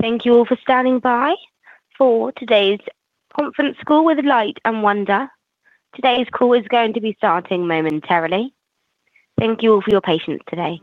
Thank you all for standing by for today's conference call with Light & Wonder. Today's call is going to be starting momentarily. Thank you all for your patience today.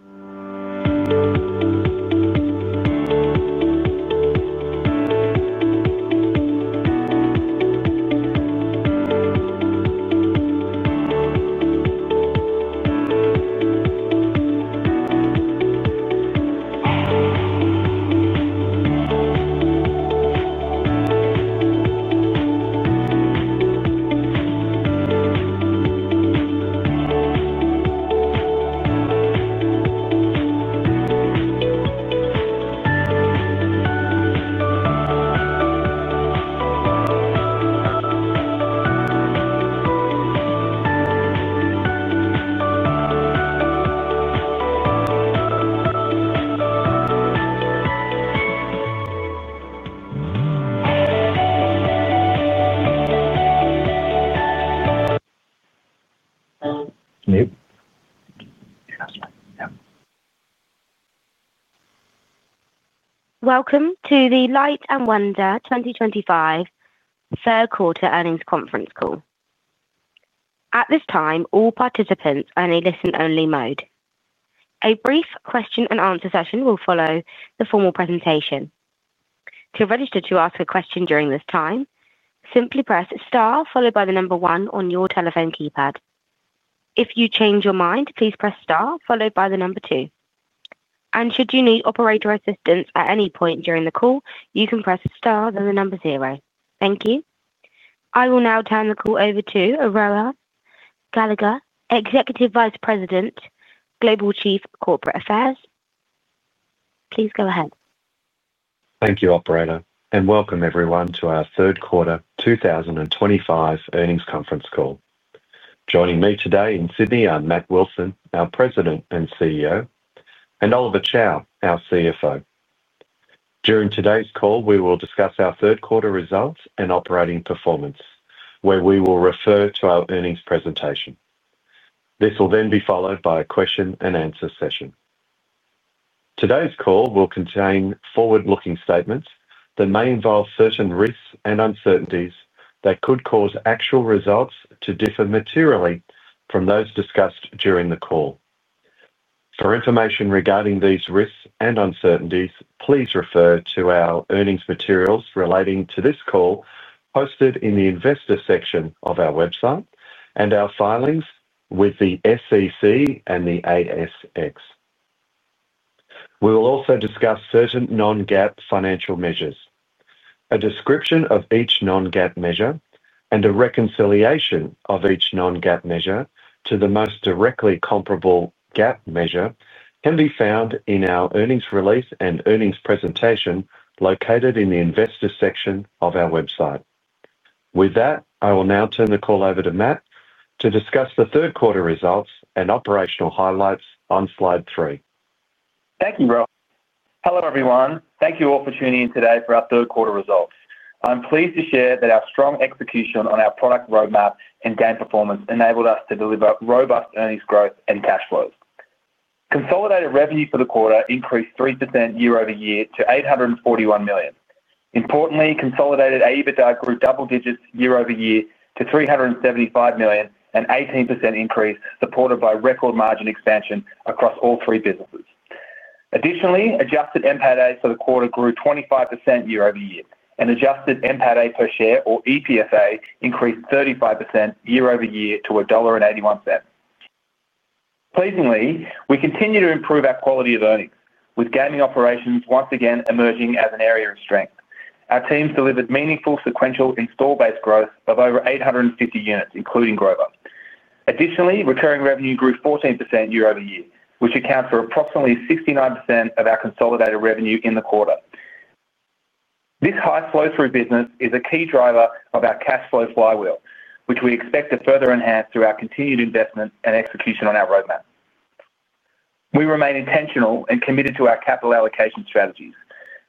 Welcome to the Light & Wonder 2025 third quarter earnings conference call. At this time, all participants are in a listen-only mode. A brief question-and-answer session will follow the formal presentation. To register to ask a question during this time, simply press star followed by the number one on your telephone keypad. If you change your mind, please press star followed by the number two. Should you need operator assistance at any point during the call, you can press star and the number zero. Thank you. I will now turn the call over to Aurora Gallagher, Executive Vice President, Global Chief Corporate Affairs. Please go ahead. Thank you, Operator, and welcome everyone to our third quarter 2025 earnings conference call. Joining me today in Sydney are Matt Wilson, our President and CEO, and Oliver Chow, our CFO. During today's call, we will discuss our third quarter results and operating performance, where we will refer to our earnings presentation. This will then be followed by a question-and-answer session. Today's call will contain forward-looking statements that may involve certain risks and uncertainties that could cause actual results to differ materially from those discussed during the call. For information regarding these risks and uncertainties, please refer to our earnings materials relating to this call posted in the investor section of our website and our filings with the SEC and the ASX. We will also discuss certain non-GAAP financial measures, a description of each non-GAAP measure, and a reconciliation of each non-GAAP measure to the most directly comparable GAAP measure can be found in our earnings release and earnings presentation located in the investor section of our website. With that, I will now turn the call over to Matt to discuss the third quarter results and operational highlights on slide three. Thank you, Rob. Hello, everyone. Thank you all for tuning in today for our third quarter results. I'm pleased to share that our strong execution on our product roadmap and game performance enabled us to deliver robust earnings growth and cash flows. Consolidated revenue for the quarter increased 3% year over year to $841 million. Importantly, consolidated Adjusted EBITDA grew double digits year over year to $375 million, an 18% increase supported by record margin expansion across all three businesses. Additionally, Adjusted EBITDA for the quarter grew 25% year over year, and Adjusted EBITDA per share, or EPS, increased 35% year over year to $1.81. Pleasingly, we continue to improve our quality of earnings, with gaming operations once again emerging as an area of strength. Our teams delivered meaningful sequential install-based growth of over 850 units, including Grover. Additionally, recurring revenue grew 14% year over year, which accounts for approximately 69% of our consolidated revenue in the quarter. This high flow-through business is a key driver of our cash flow flywheel, which we expect to further enhance through our continued investment and execution on our roadmap. We remain intentional and committed to our capital allocation strategies.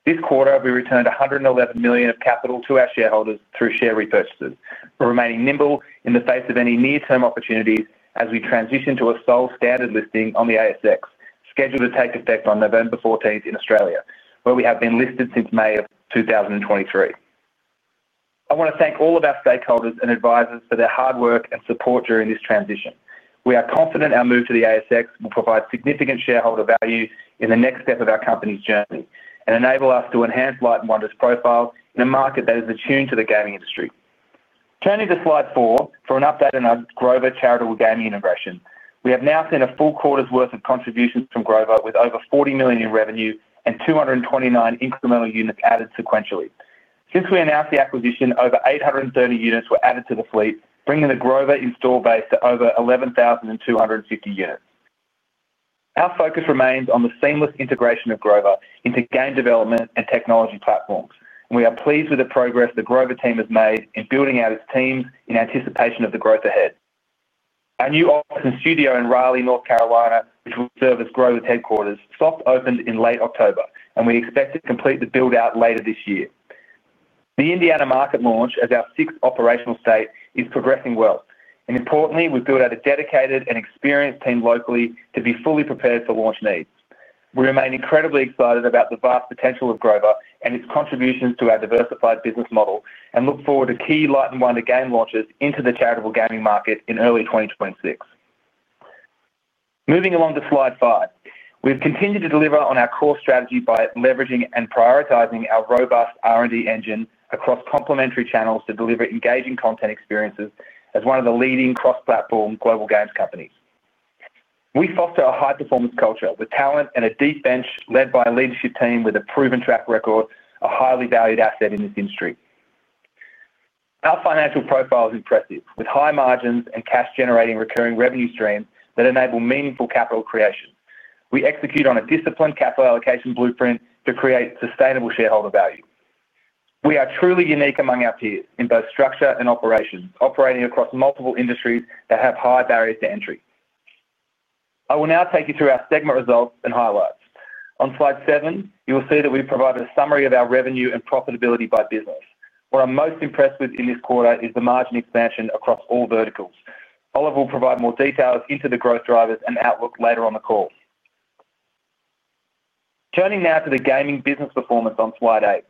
This quarter, we returned $111 million of capital to our shareholders through share repurchases, remaining nimble in the face of any near-term opportunities as we transition to a sole standard listing on the ASX, scheduled to take effect on November 14 in Australia, where we have been listed since May of 2023. I want to thank all of our stakeholders and advisors for their hard work and support during this transition. We are confident our move to the ASX will provide significant shareholder value in the next step of our company's journey and enable us to enhance Light & Wonder's profile in a market that is attuned to the gaming industry. Turning to slide four for an update on our Grover charitable gaming integration, we have now seen a full quarter's worth of contributions from Grover, with over $40 million in revenue and 229 incremental units added sequentially. Since we announced the acquisition, over 830 units were added to the fleet, bringing the Grover install base to over 11,250 units. Our focus remains on the seamless integration of Grover into game development and technology platforms, and we are pleased with the progress the Grover team has made in building out its teams in anticipation of the growth ahead. Our new office and studio in Raleigh, North Carolina, which will serve as Grover's headquarters, soft opened in late October, and we expect to complete the build-out later this year. The Indiana market launch, as our sixth operational state, is progressing well. Importantly, we've built out a dedicated and experienced team locally to be fully prepared for launch needs. We remain incredibly excited about the vast potential of Grover and its contributions to our diversified business model and look forward to key Light & Wonder game launches into the charitable gaming market in early 2026. Moving along to slide five, we've continued to deliver on our core strategy by leveraging and prioritizing our robust R&D engine across complementary channels to deliver engaging content experiences as one of the leading cross-platform global games companies. We foster a high-performance culture with talent and a deep bench led by a leadership team with a proven track record, a highly valued asset in this industry. Our financial profile is impressive, with high margins and cash-generating recurring revenue streams that enable meaningful capital creation. We execute on a disciplined capital allocation blueprint to create sustainable shareholder value. We are truly unique among our peers in both structure and operations, operating across multiple industries that have high barriers to entry. I will now take you through our segment results and highlights. On slide seven, you will see that we've provided a summary of our revenue and profitability by business. What I'm most impressed with in this quarter is the margin expansion across all verticals. Oliver will provide more details into the growth drivers and outlook later on the call. Turning now to the gaming business performance on slide eight,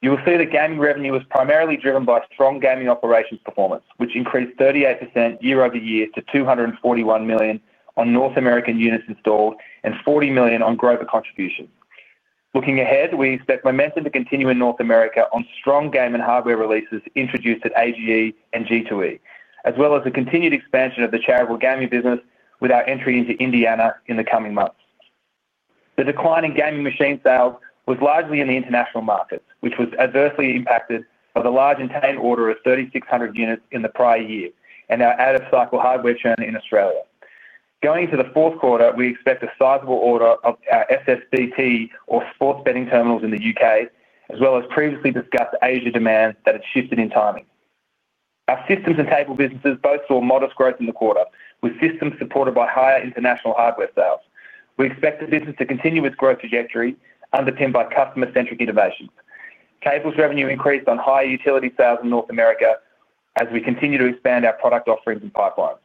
you will see that gaming revenue was primarily driven by strong gaming operations performance, which increased 38% year over year to $241 million on North American units installed and $40 million on Grover contributions. Looking ahead, we expect momentum to continue in North America on strong gaming hardware releases introduced at AGE and G2E, as well as the continued expansion of the charitable gaming business with our entry into Indiana in the coming months. The decline in gaming machine sales was largely in the international markets, which was adversely impacted by the large in-town order of 3,600 units in the prior year and our out-of-cycle hardware churn in Australia. Going into the fourth quarter, we expect a sizable order of our SSBT, or sports betting terminals, in the U.K., as well as previously discussed Asia demand that had shifted in timing. Our systems and cable businesses both saw modest growth in the quarter, with systems supported by higher international hardware sales. We expect the business to continue its growth trajectory underpinned by customer-centric innovation. Cables revenue increased on higher utility sales in North America as we continue to expand our product offerings and pipelines.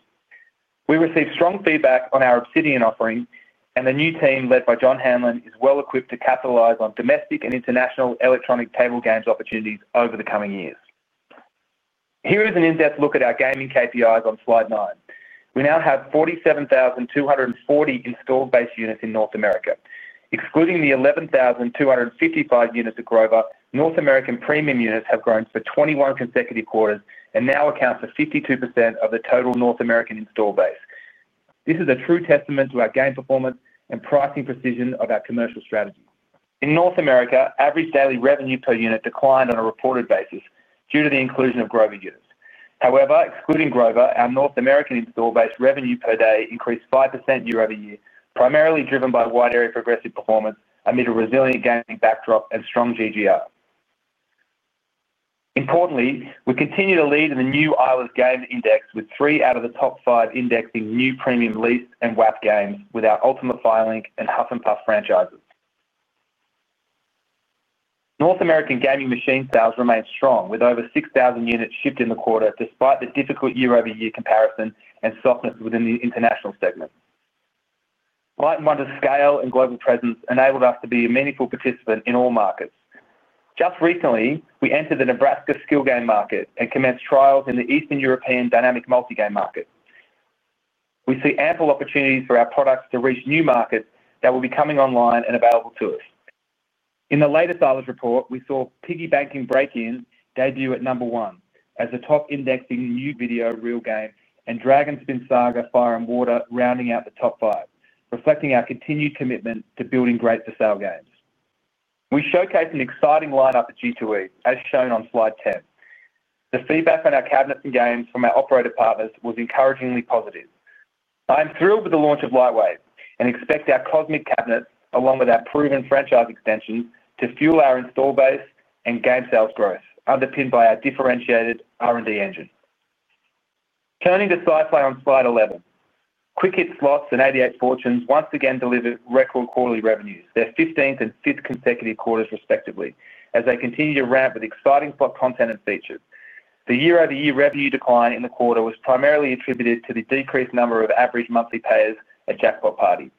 We received strong feedback on our Obsidian offering, and the new team led by John Hanlon is well equipped to capitalize on domestic and international electronic table games opportunities over the coming years. Here is an in-depth look at our gaming KPIs on slide nine. We now have 47,240 installed base units in North America. Excluding the 11,255 units at Grover, North American premium units have grown for 21 consecutive quarters and now account for 52% of the total North American install base. This is a true testament to our game performance and pricing precision of our commercial strategy. In North America, average daily revenue per unit declined on a reported basis due to the inclusion of Grover units. However, excluding Grover, our North American install base revenue per day increased 5% year over year, primarily driven by wide area progressive performance amid a resilient gaming backdrop and strong GGR. Importantly, we continue to lead in the new Islands Games Index with three out of the top five indexing new premium lease and WAP games with our Ultima Firelink and Huff & Puff franchises. North American gaming machine sales remained strong with over 6,000 units shipped in the quarter despite the difficult year-over-year comparison and softness within the international segment. Light & Wonder's scale and global presence enabled us to be a meaningful participant in all markets. Just recently, we entered the Nebraska Skill Game market and commenced trials in the Eastern European Dynamic Multi-game market. We see ample opportunities for our products to reach new markets that will be coming online and available to us. In the latest Eilers report, we saw Piggy Bankin' Breakin' debut at number one as the top indexing new video reel game and Dragon Spin Saga Fire & Water rounding out the top five, reflecting our continued commitment to building great for sale games. We showcased an exciting lineup at G2E, as shown on slide 10. The feedback on our cabinets and games from our operator partners was encouragingly positive. I am thrilled with the launch of Light & Wave and expect our Cosmic Cabinets, along with our proven franchise extensions, to fuel our install base and game sales growth underpinned by our differentiated R&D engine. Turning to Syfy on slide 11, Quick Hit Slots and 88 Fortunes once again delivered record quarterly revenues, their 15th and 5th consecutive quarters respectively, as they continue to ramp with exciting slot content and features. The year-over-year revenue decline in the quarter was primarily attributed to the decreased number of average monthly payers at Jackpot Party.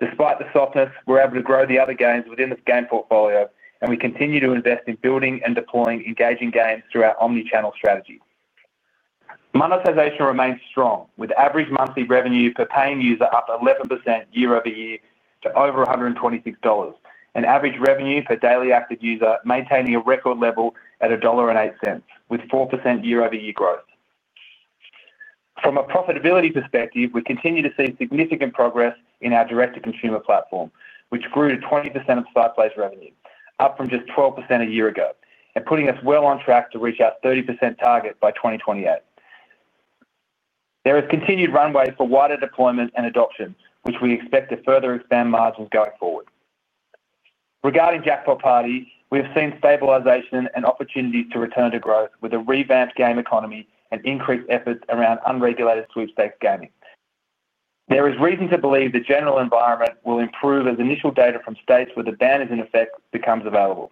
Despite the softness, we're able to grow the other games within the game portfolio, and we continue to invest in building and deploying engaging games through our omnichannel strategy. Monetization remains strong, with average monthly revenue per paying user up 11% year over year to over $126, and average revenue per daily active user maintaining a record level at $1.08, with 4% year-over-year growth. From a profitability perspective, we continue to see significant progress in our direct-to-consumer platform, which grew to 20% of DTC's revenue, up from just 12% a year ago, and putting us well on track to reach our 30% target by 2028. There is continued runway for wider deployment and adoption, which we expect to further expand margins going forward. Regarding Jackpot Party, we have seen stabilization and opportunities to return to growth with a revamped game economy and increased efforts around unregulated sweepstakes gaming. There is reason to believe the general environment will improve as initial data from states where the ban is in effect becomes available.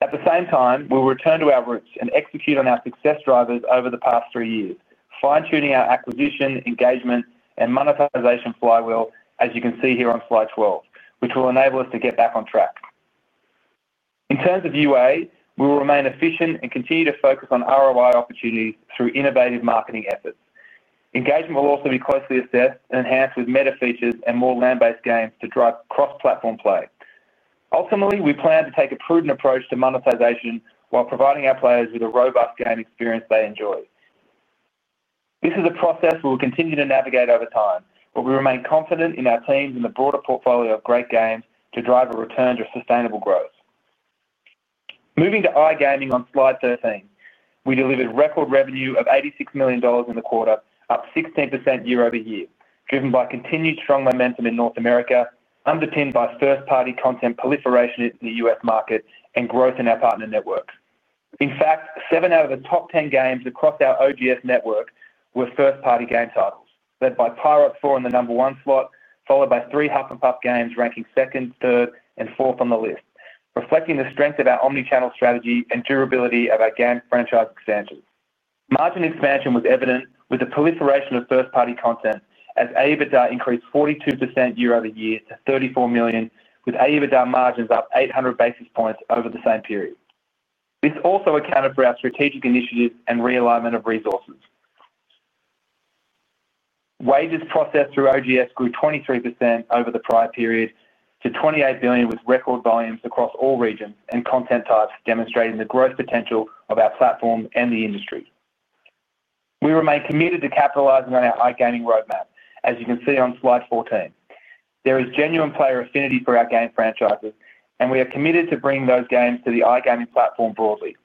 At the same time, we will return to our roots and execute on our success drivers over the past three years, fine-tuning our acquisition, engagement, and monetization flywheel, as you can see here on slide 12, which will enable us to get back on track. In terms of UA, we will remain efficient and continue to focus on ROI opportunities through innovative marketing efforts. Engagement will also be closely assessed and enhanced with meta features and more LAN-based games to drive cross-platform play. Ultimately, we plan to take a prudent approach to monetization while providing our players with a robust game experience they enjoy. This is a process we will continue to navigate over time, but we remain confident in our teams and the broader portfolio of great games to drive a return to sustainable growth. Moving to iGaming on slide 13, we delivered record revenue of $86 million in the quarter, up 16% year over year, driven by continued strong momentum in North America, underpinned by first-party content proliferation in the U.S. market and growth in our partner networks. In fact, seven out of the top 10 games across our OGS network were first-party game titles, led by Pirates 4 in the number one slot, followed by three Huff & Puff games ranking second, third, and fourth on the list, reflecting the strength of our omnichannel strategy and durability of our game franchise expansion. Margin expansion was evident with the proliferation of first-party content, as Adjusted EBITDA increased 42% year over year to $34 million, with Adjusted EBITDA margins up 800 basis points over the same period. This also accounted for our strategic initiatives and realignment of resources. Wages processed through OGS grew 23% over the prior period to $28 billion with record volumes across all regions and content types, demonstrating the growth potential of our platform and the industry. We remain committed to capitalizing on our iGaming roadmap, as you can see on slide 14. There is genuine player affinity for our game franchises, and we are committed to bringing those games to the iGaming platform broadly.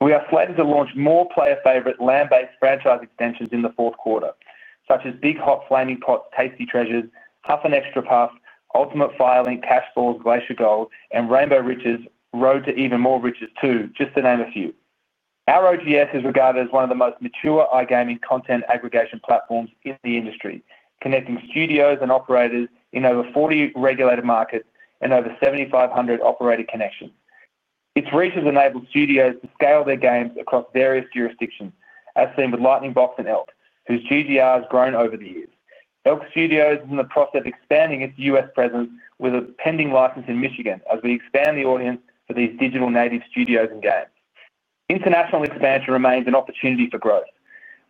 We are slated to launch more player-favorite LAN-based franchise extensions in the fourth quarter, such as Big Hot Flaming Pots Tasty Treasures, Huff & Extra Puff, Ultima Firelink Cash Falls Glacier Gold, and Rainbow Riches Road to Even More Riches 2, just to name a few. Our OGS is regarded as one of the most mature iGaming content aggregation platforms in the industry, connecting studios and operators in over 40 regulated markets and over 7,500 operator connections. Its reach has enabled studios to scale their games across various jurisdictions, as seen with Lightning Box and ELK, whose GGR has grown over the years. ELK Studios is in the process of expanding its U.S. presence with a pending license in Michigan as we expand the audience for these digital native studios and games. International expansion remains an opportunity for growth.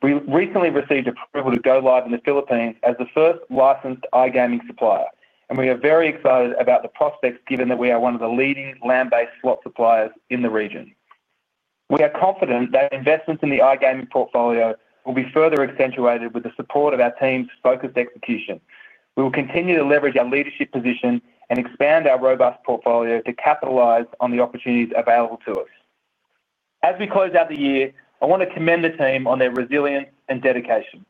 We recently received approval to go live in the Philippines as the first licensed iGaming supplier, and we are very excited about the prospects, given that we are one of the leading LAN-based slot suppliers in the region. We are confident that investments in the iGaming portfolio will be further accentuated with the support of our team's focused execution. We will continue to leverage our leadership position and expand our robust portfolio to capitalize on the opportunities available to us. As we close out the year, I want to commend the team on their resilience and dedication,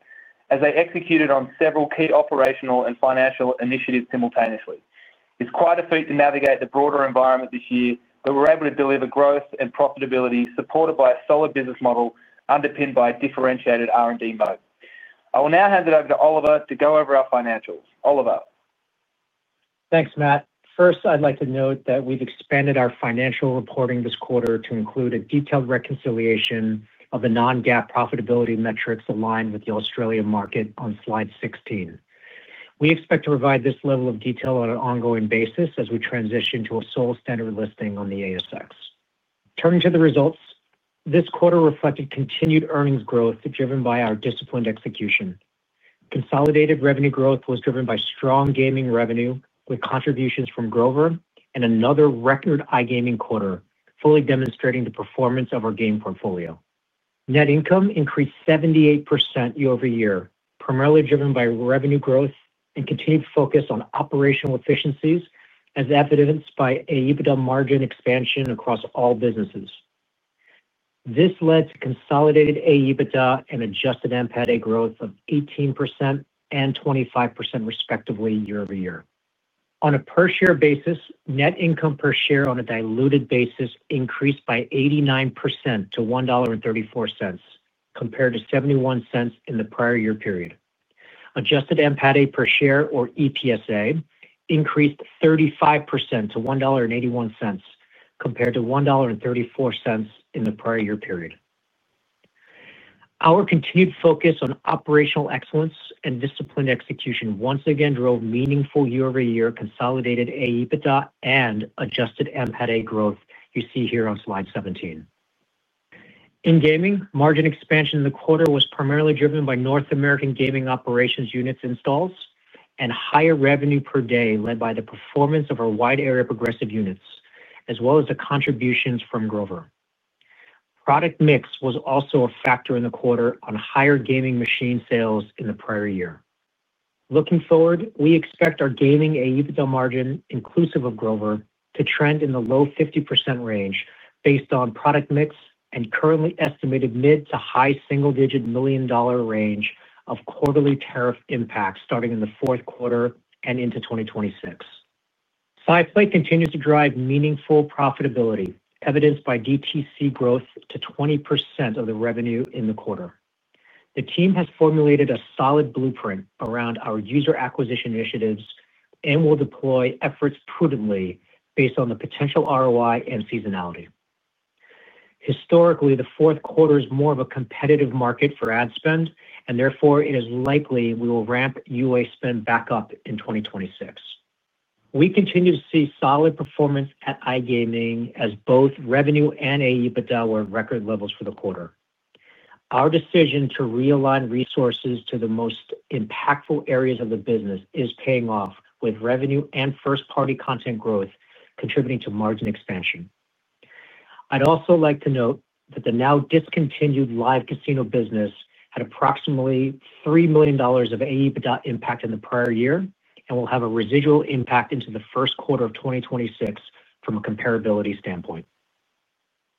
as they executed on several key operational and financial initiatives simultaneously. It's quite a feat to navigate the broader environment this year, but we're able to deliver growth and profitability supported by a solid business model underpinned by differentiated R&D mode. I will now hand it over to Oliver to go over our financials. Oliver. Thanks, Matt. First, I'd like to note that we've expanded our financial reporting this quarter to include a detailed reconciliation of the non-GAAP profitability metrics aligned with the Australian market on slide 16. We expect to provide this level of detail on an ongoing basis as we transition to a sole-standard listing on the ASX. Turning to the results, this quarter reflected continued earnings growth driven by our disciplined execution. Consolidated revenue growth was driven by strong gaming revenue with contributions from Grover and another record iGaming quarter, fully demonstrating the performance of our game portfolio. Net income increased 78% year over year, primarily driven by revenue growth and continued focus on operational efficiencies, as evidenced by Adjusted EBITDA margin expansion across all businesses. This led to consolidated Adjusted EBITDA and adjusted EPSA growth of 18% and 25% respectively year over year. On a per-share basis, net income per share on a diluted basis increased by 89% to $1.34, compared to $0.71 in the prior year period. Adjusted EPSA per share increased 35% to $1.81, compared to $1.34 in the prior year period. Our continued focus on operational excellence and disciplined execution once again drove meaningful year-over-year consolidated Adjusted EBITDA and adjusted EPSA growth you see here on slide 17. In gaming, margin expansion in the quarter was primarily driven by North American gaming operations units installs and higher revenue per day led by the performance of our wide area progressive units, as well as the contributions from Grover. Product mix was also a factor in the quarter on higher gaming machine sales in the prior year. Looking forward, we expect our gaming Adjusted EBITDA margin, inclusive of Grover, to trend in the low 50% range based on product mix and currently estimated mid to high single-digit million-dollar range of quarterly tariff impact starting in the fourth quarter and into 2026. SciPlay continues to drive meaningful profitability, evidenced by DTC growth to 20% of the revenue in the quarter. The team has formulated a solid blueprint around our user acquisition initiatives and will deploy efforts prudently based on the potential ROI and seasonality. Historically, the fourth quarter is more of a competitive market for ad spend, and therefore it is likely we will ramp UA spend back up in 2026. We continue to see solid performance at iGaming, as both revenue and Adjusted EBITDA were record levels for the quarter. Our decision to realign resources to the most impactful areas of the business is paying off with revenue and first-party content growth contributing to margin expansion. I'd also like to note that the now discontinued live casino business had approximately $3 million of Adjusted EBITDA impact in the prior year and will have a residual impact into the first quarter of 2026 from a comparability standpoint.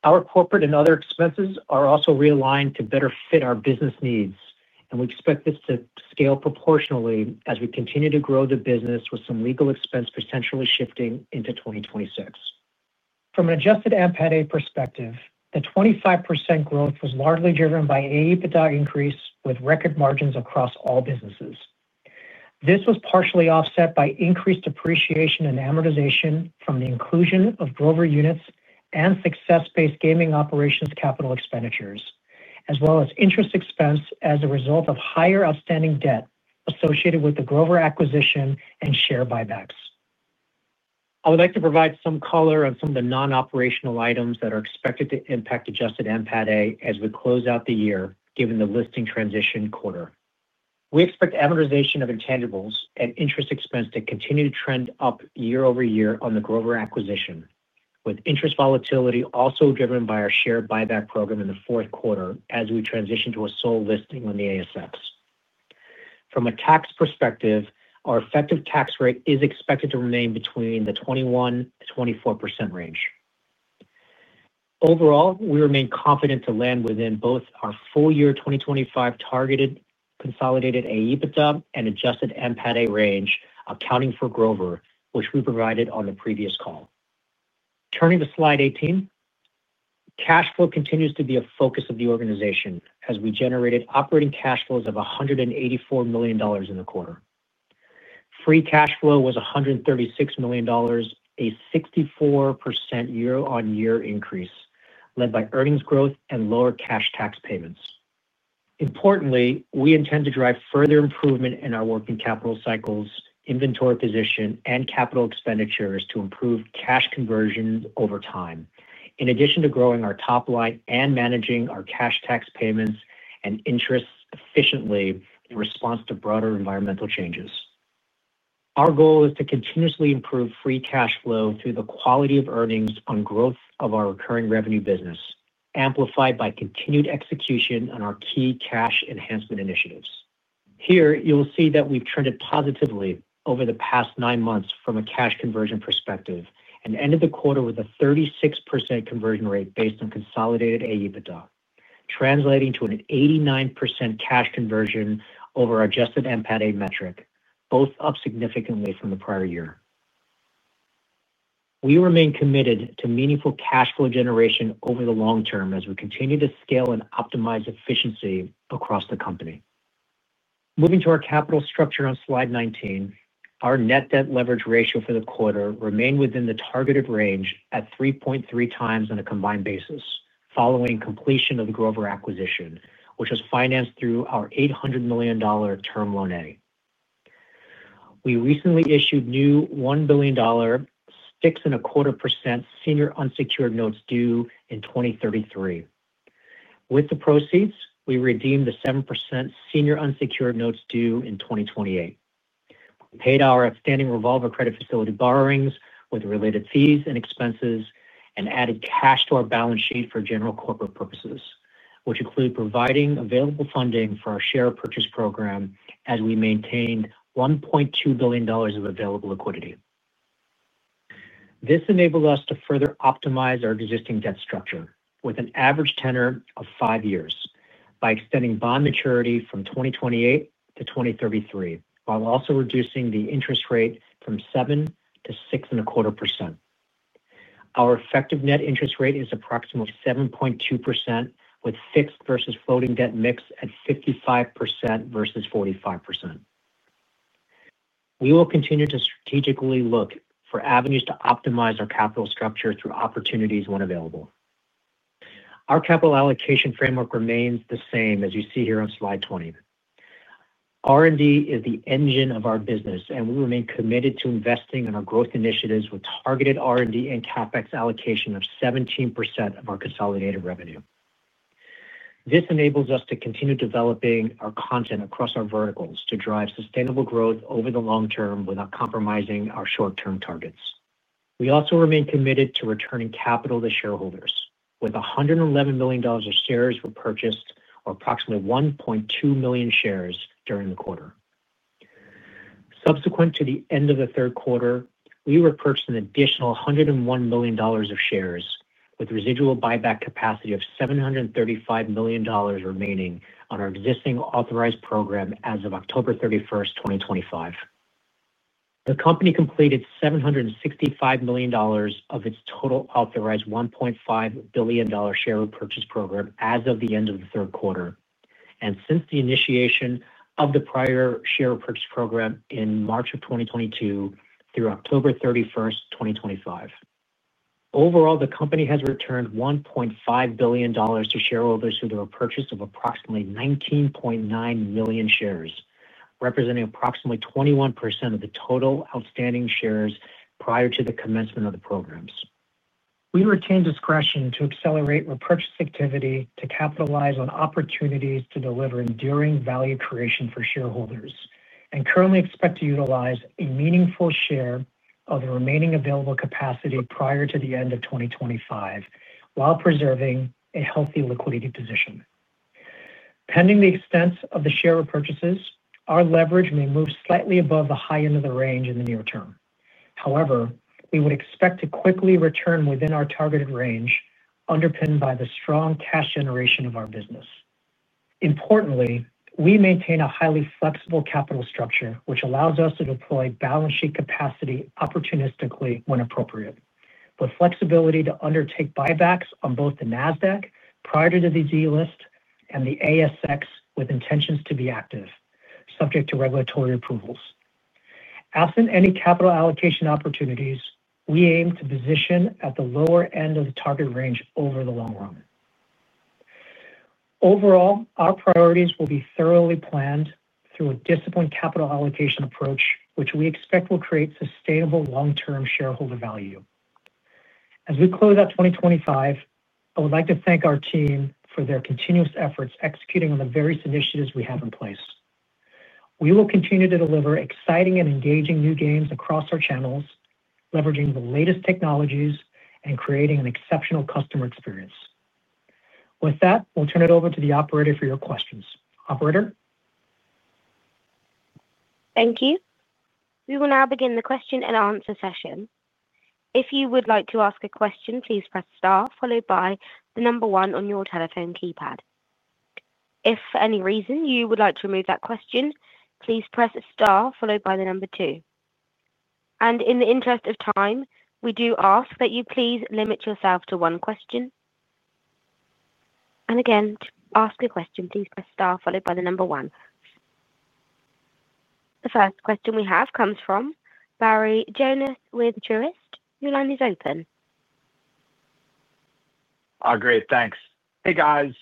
Our corporate and other expenses are also realigned to better fit our business needs, and we expect this to scale proportionally as we continue to grow the business with some legal expense potentially shifting into 2026. From an adjusted EBITDA perspective, the 25% growth was largely driven by AEBITDA increase with record margins across all businesses. This was partially offset by increased depreciation and amortization from the inclusion of Grover units and success-based gaming operations CapEx, as well as interest expense as a result of higher outstanding debt associated with the Grover acquisition and share buybacks. I would like to provide some color on some of the non-operational items that are expected to impact adjusted EBITDA as we close out the year, given the listing transition quarter. We expect amortization of intangibles and interest expense to continue to trend up year over year on the Grover acquisition, with interest volatility also driven by our share buyback program in the fourth quarter as we transition to a sole listing on the ASX. From a tax perspective, our effective tax rate is expected to remain between the 21%-24% range. Overall, we remain confident to land within both our full year 2025 targeted consolidated Adjusted EBITDA and adjusted EBITDA range, accounting for Grover, which we provided on the previous call. Turning to slide 18. Cash flow continues to be a focus of the organization, as we generated operating cash flows of $184 million in the quarter. Free cash flow was $136 million, a 64% year-on-year increase, led by earnings growth and lower cash tax payments. Importantly, we intend to drive further improvement in our working capital cycles, inventory position, and capital expenditures to improve cash conversions over time, in addition to growing our top line and managing our cash tax payments and interest efficiently in response to broader environmental changes. Our goal is to continuously improve free cash flow through the quality of earnings on growth of our recurring revenue business, amplified by continued execution on our key cash enhancement initiatives. Here, you'll see that we've trended positively over the past nine months from a cash conversion perspective and ended the quarter with a 36% conversion rate based on consolidated Adjusted EBITDA, translating to an 89% cash conversion over our adjusted EBITDA metric, both up significantly from the prior year. We remain committed to meaningful cash flow generation over the long term as we continue to scale and optimize efficiency across the company. Moving to our capital structure on slide 19, our net debt leverage ratio for the quarter remained within the targeted range at 3.3 times on a combined basis, following completion of the Grover acquisition, which was financed through our $800 million term loan A. We recently issued new $1 billion 6.25% senior unsecured notes due in 2033. With the proceeds, we redeemed the 7% senior unsecured notes due in 2028. We paid our outstanding revolver credit facility borrowings with related fees and expenses and added cash to our balance sheet for general corporate purposes, which included providing available funding for our share purchase program as we maintained $1.2 billion of available liquidity. This enabled us to further optimize our existing debt structure with an average tenor of five years by extending bond maturity from 2028 to 2033, while also reducing the interest rate from 7% to 6.25%. Our effective net interest rate is approximately 7.2%, with fixed versus floating debt mix at 55% versus 45%. We will continue to strategically look for avenues to optimize our capital structure through opportunities when available. Our capital allocation framework remains the same, as you see here on slide 20. R&D is the engine of our business, and we remain committed to investing in our growth initiatives with targeted R&D and CapEx allocation of 17% of our consolidated revenue. This enables us to continue developing our content across our verticals to drive sustainable growth over the long term without compromising our short-term targets. We also remain committed to returning capital to shareholders, with $111 million of shares repurchased, or approximately 1.2 million shares during the quarter. Subsequent to the end of the third quarter, we repurchased an additional $101 million of shares, with residual buyback capacity of $735 million remaining on our existing authorized program as of October 31, 2025. The company completed $765 million of its total authorized $1.5 billion share repurchase program as of the end of the third quarter, and since the initiation of the prior share repurchase program in March of 2022 through October 31, 2025. Overall, the company has returned $1.5 billion to shareholders through the repurchase of approximately 19.9 million shares, representing approximately 21% of the total outstanding shares prior to the commencement of the programs. We retain discretion to accelerate repurchase activity to capitalize on opportunities to deliver enduring value creation for shareholders and currently expect to utilize a meaningful share of the remaining available capacity prior to the end of 2025, while preserving a healthy liquidity position. Pending the extent of the share repurchases, our leverage may move slightly above the high end of the range in the near term. However, we would expect to quickly return within our targeted range, underpinned by the strong cash generation of our business. Importantly, we maintain a highly flexible capital structure, which allows us to deploy balance sheet capacity opportunistically when appropriate, with flexibility to undertake buybacks on both the NASDAQ prior to the Z-list and the ASX, with intentions to be active, subject to regulatory approvals. Absent any capital allocation opportunities, we aim to position at the lower end of the target range over the long run. Overall, our priorities will be thoroughly planned through a disciplined capital allocation approach, which we expect will create sustainable long-term shareholder value. As we close out 2025, I would like to thank our team for their continuous efforts executing on the various initiatives we have in place. We will continue to deliver exciting and engaging new games across our channels, leveraging the latest technologies and creating an exceptional customer experience. With that, we'll turn it over to the operator for your questions. Operator. Thank you. We will now begin the question and answer session. If you would like to ask a question, please press Star, followed by the number one on your telephone keypad. If for any reason you would like to remove that question, please press Star, followed by the number two. In the interest of time, we do ask that you please limit yourself to one question. Again, to ask a question, please press Star, followed by the number one. The first question we have comes from Barry Jonas with Truist. Your line is open. Great. Thanks. Hey, guys.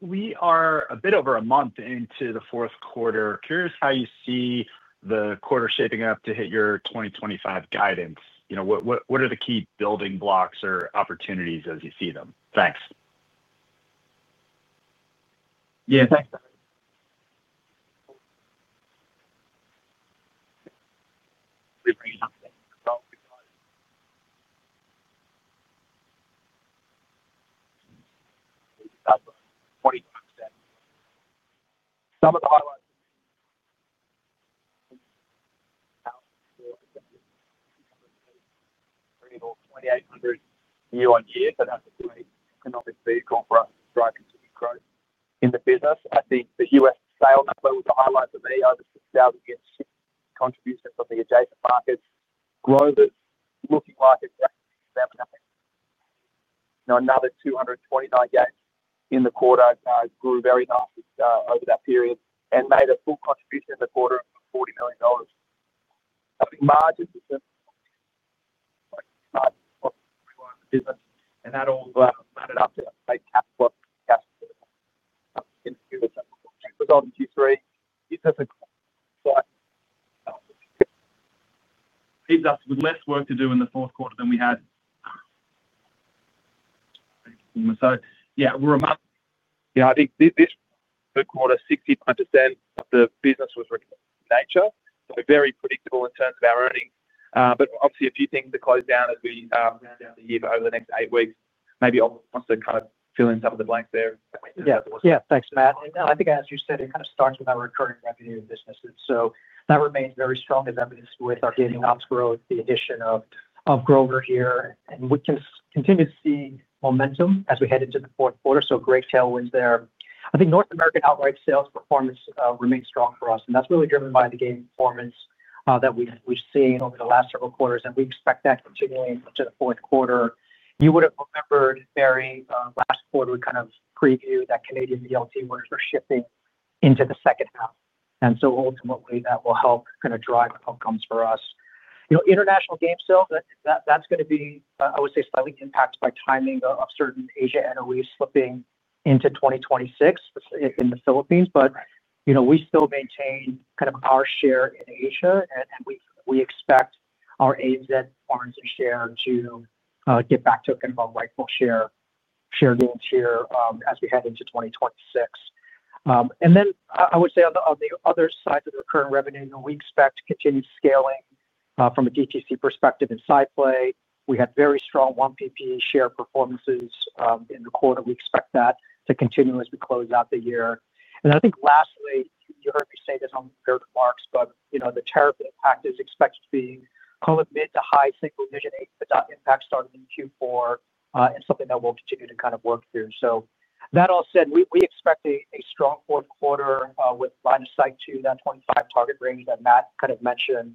We are a bit over a month into the fourth quarter. Curious how you see the quarter shaping up to hit your 2025 guidance. What are the key building blocks or opportunities as you see them? Thanks. Yeah. Thanks. In the business, I think the U.S. sales number was a highlight for me. Over 6,000 gigs, contributions from the adjacent markets. Grover's looking like it's absolutely nothing. Another 229 gigs in the quarter grew very nicely over that period and made a full contribution in the quarter of $40 million. I think margins. And that all added up to a result in Q3. Business. Less work to do in the fourth quarter than we had. Yeah. Month. Yeah. I think this third quarter, 65% of the business was nature, so very predictable in terms of our earnings. Obviously, a few things to close down as we round out the year over the next eight weeks. Maybe I'll want to kind of fill in some of the blanks there. Yeah. Thanks, Matt. I think, as you said, it kind of starts with our recurring revenue businesses. That remains very strong as evidenced with our Gaming Ops growth, the addition of Grover here. We can continue to see momentum as we head into the fourth quarter. Great tailwinds there. I think North American outright sales performance remains strong for us. That is really driven by the game performance that we've seen over the last several quarters. We expect that continuing into the fourth quarter. You would have remembered, Barry, last quarter we kind of previewed that Canadian ELT were shifting into the second half. Ultimately, that will help kind of drive outcomes for us. International game sales, that's going to be, I would say, slightly impacted by timing of certain Asia and away slipping into 2026 in the Philippines. We still maintain kind of our share in Asia, and we expect our AZ farms and share to get back to kind of our rightful share gains here as we head into 2026. I would say on the other side of the recurring revenue, we expect continued scaling from a DTC perspective and side play. We had very strong 1PP share performances in the quarter. We expect that to continue as we close out the year. I think lastly, you heard me say this on various marks, but the tariff impact is expected to be called a mid to high single-digit impact starting in Q4 and something that we'll continue to kind of work through. That all said, we expect a strong fourth quarter with line of sight to that 25 target range that Matt kind of mentioned.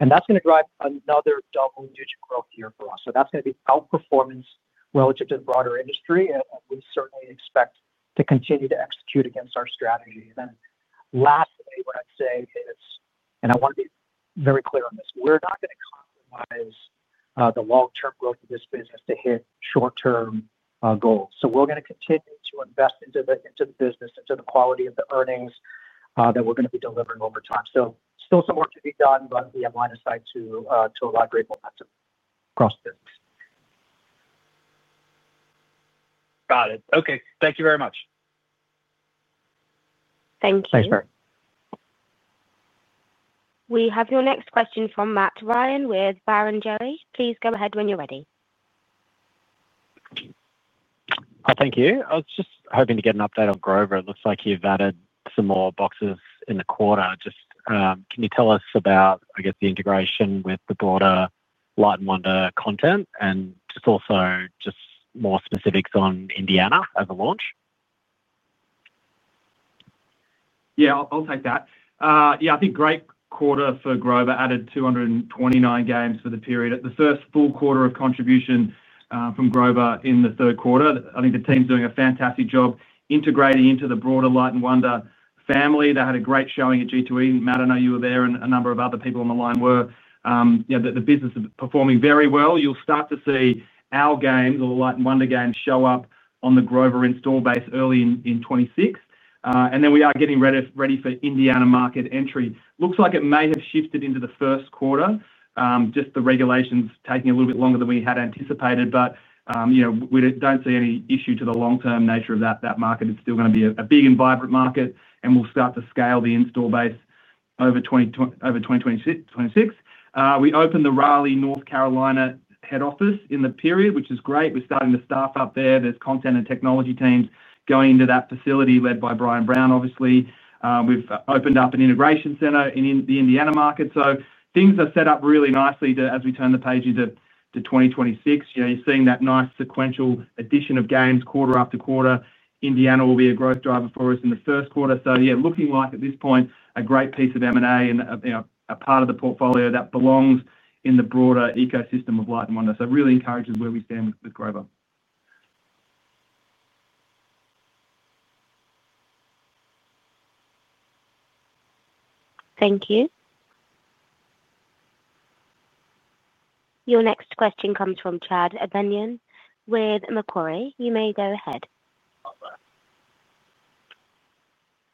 That is going to drive another double-digit growth year for us. That is going to be outperformance relative to the broader industry. We certainly expect to continue to execute against our strategy. Lastly, what I would say is, and I want to be very clear on this, we are not going to compromise the long-term growth of this business to hit short-term goals. We are going to continue to invest into the business, into the quality of the earnings that we are going to be delivering over time. Still some work to be done, but we have line of sight to a lot of great momentum across the business. Got it. Okay. Thank you very much. Thank you. Thanks, Barry. We have your next question from Matt Ryan with Barrenjoey. Please go ahead when you're ready. Thank you. I was just hoping to get an update on Grover. It looks like you've added some more boxes in the quarter. Just can you tell us about, I guess, the integration with the broader Light & Wonder content and just also just more specifics on Indiana as a launch? Yeah. I'll take that. Yeah. I think great quarter for Grover, added 229 games for the period. The first full quarter of contribution from Grover in the third quarter. I think the team's doing a fantastic job integrating into the broader Light & Wonder family. They had a great showing at G2E. Matt, I know you werseverald a number of other people on the line were. The business is performing very well. You'll start to see our games, the Light & Wonder games, show up on the Grover install base early in 2026. We are getting ready for Indiana market entry. It looks like it may have shifted into the first quarter, just the regulations taking a little bit longer than we had anticipated. We do not see any issue to the long-term nature of that market. It is still going to be a big and vibrant market, and we'll start to scale the install base over 2026. We opened the Raleigh, North Carolina head office in the period, which is great. We're starting to staff up there. There are content and technology teams going into that facility led by Brian Brown, obviously. We've opened up an integration center in the Indiana market. Things are set up really nicely as we turn the page into 2026. You're seeing that nice sequential addition of games quarter after quarter. Indiana will be a growth driver for us in the first quarter. Yeah, looking like at this point, a great piece of M&A and a part of the portfolio that belongs in the broader ecosystem of Light & Wonder. It really encourages where we stand with Grover. Thank you. Your next question comes from Chad Beynon with Macquarie. You may go ahead.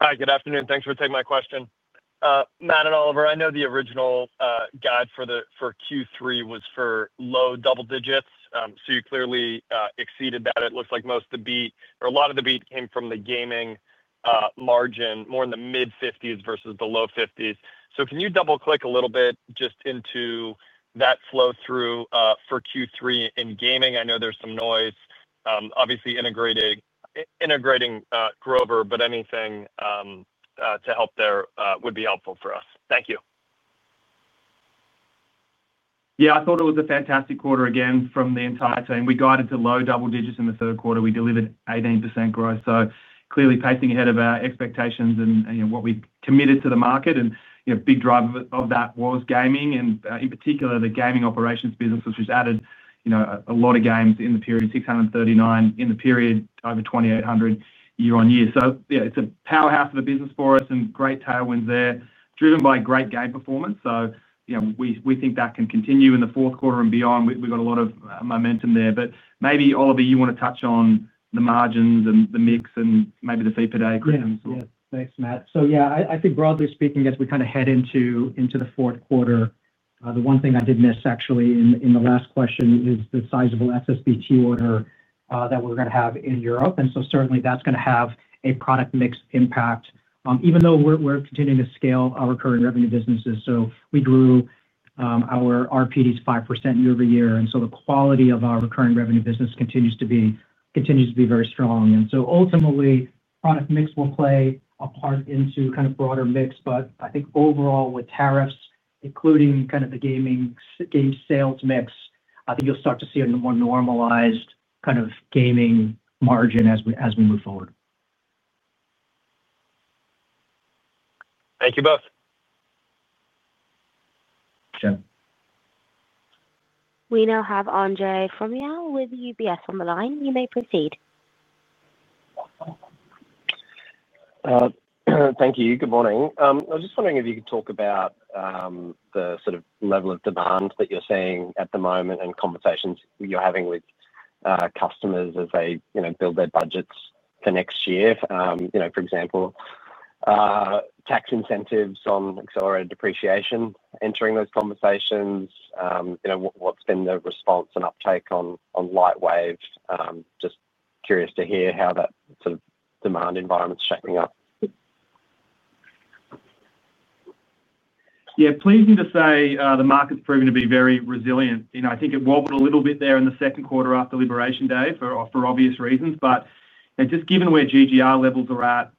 Hi. Good afternoon. Thanks for taking my question. Matt and Oliver, I know the original guide for Q3 was for low double digits. You clearly exceeded that. It looks like most of the beat or a lot of the beat came from the gaming margin, more in the mid-50% versus the low 50%. Can you double-click a little bit just into that flow through for Q3 in gaming? I know there's some noise. Obviously, integrating Grover, but anything to help there would be helpful for us. Thank you. Yeah. I thought it was a fantastic quarter again from the entire team. We guided to low double digits in the third quarter. We delivered 18% growth. Clearly, pasting ahead of our expectations and what we committed to the market. A big driver of that was gaming, and in particular, the gaming operations business, which has added a lot of games in the period, 639 in the period, over 2,800 year on year. It is a powerhouse of a business for us and great tailwinds there, driven by great game performance. We think that can continue in the fourth quarter and beyond. We have got a lot of momentum there. Maybe, Oliver, you want to touch on the margins and the mix and maybe the fee per day agreements. Yeah. Thanks, Matt. Yeah, I think broadly speaking, as we kind of head into the fourth quarter, the one thing I did miss, actually, in the last question is the sizable SSBT order that we're going to have in Europe. Certainly, that's going to have a product mix impact, even though we're continuing to scale our recurring revenue businesses. We grew our RPDs 5% year over year. The quality of our recurring revenue business continues to be very strong. Ultimately, product mix will play a part into kind of broader mix. I think overall, with tariffs, including kind of the gaming sales mix, I think you'll start to see a more normalized kind of gaming margin as we move forward. Thank you both. We now have Andre from UBS on the line. You may proceed. Thank you. Good morning.I was just wondering if you could talk about the sort of level of demand that you're seeing at the moment and conversations you're having with customers as they build their budgets for next year, for example. Tax incentives on accelerated depreciation, entering those conversations. What's been the response and uptake on Light & Wave? Just curious to hear how that sort of demand environment's shaping up. Yeah. Pleasing to say the market's proven to be very resilient. I think it wobbled a little bit there in the second quarter after Liberation Day for obvious reasons. Just given where GGR levels are at,